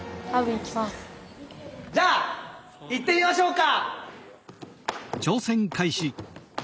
じゃあいってみましょうか！